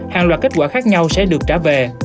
hàng loạt kết quả khác nhau sẽ được trả về